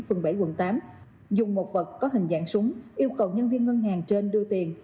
phường bảy quận tám dùng một vật có hình dạng súng yêu cầu nhân viên ngân hàng trên đưa tiền